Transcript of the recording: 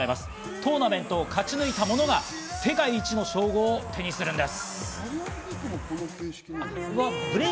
トーナメントを勝ち抜いたものが世界一の称号を手にするんです。